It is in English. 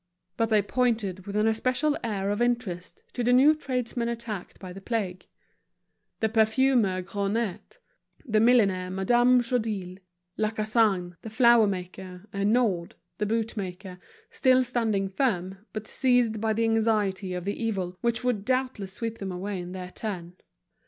But they pointed with an especial air of interest to the new tradesmen attacked by the plague; the perfumer Grognet, the milliner Madame Chadeuil, Lacassagne, the flower maker, and Naud, the bootmaker, still standing firm, but seized by the anxiety of the evil, which would doubtless sweep them away in their turn.